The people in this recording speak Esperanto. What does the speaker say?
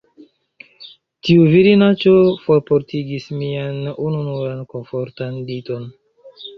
Tiu virinaĉo forportigis mian ununuran komfortan liton.